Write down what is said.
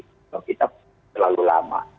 kalau kita terlalu lama